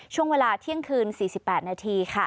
ช่วงเวลาเที่ยงคืน๔๘นาที